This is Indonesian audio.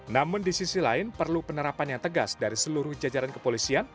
namun di sisi lain perlu penerapan yang tegas dari seluruh jajaran kepolisian